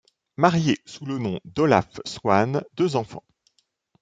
Marié sous le nom d’Olaf Swaan, deux enfants.